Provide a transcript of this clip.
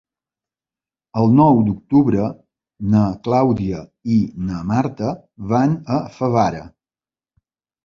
El nou d'octubre na Clàudia i na Marta van a Favara.